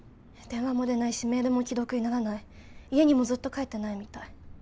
電話も出ないしメールも既読にならない家にもずっと帰ってないみたい